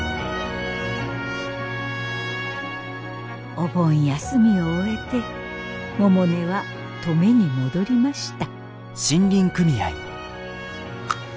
お盆休みを終えて百音は登米に戻りました。